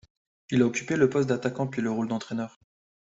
Il a occupé le poste d'attaquant puis le rôle d'entraîneur.